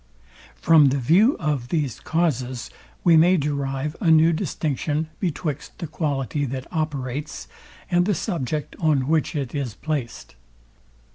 From the view of these causes we may derive a new distinction betwixt the quality that operates, and the subject on which it is placed.